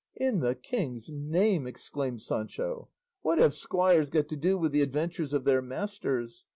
"In the king's name!" exclaimed Sancho, "what have squires got to do with the adventures of their masters?